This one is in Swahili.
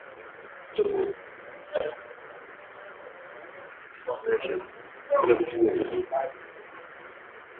kuchoma moto malori sita katika shambulizi hilo kwa kutumia bunduki za rashasha na kurejea katika vituo vyao bila kuumia.